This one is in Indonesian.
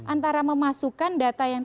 antara memasukan data yang